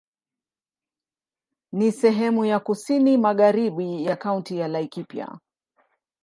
Ni sehemu ya kusini magharibi ya Kaunti ya Laikipia.